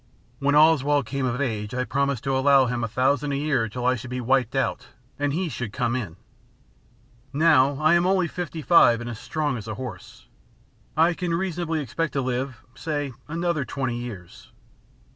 When Oswald came of age I promised to allow him a thousand a year till I should be wiped out and he should come in. Now I'm only fifty five and as strong as a horse. I can reasonably expect to live, say, another twenty years.